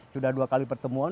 sudah dua kali pertemuan